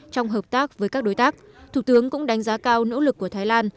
trong hợp tác với các đối tác thủ tướng cũng đánh giá cao nỗ lực của thái lan